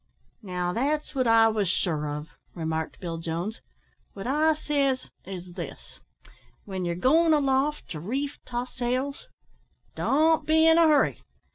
"Now, that's wot I wos sure of," remarked Bill Jones. "Wot I says is this w'en yer goin' aloft to reef to'sails, don't be in a hurry.